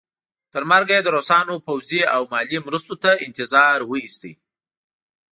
تر مرګه یې د روسانو پوځي او مالي مرستې انتظار وایست.